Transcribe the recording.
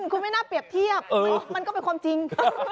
คุณไม่น่าเปรียบเทียบมันก็เป็นความจริง